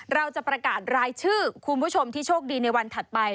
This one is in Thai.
เราจะประกาศรายชื่อคุณผู้ชมที่โชคดีในวันถัดไป